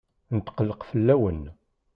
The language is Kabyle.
Netqelleq fell-awen.